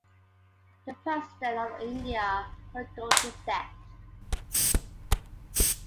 The President of India condoled his death.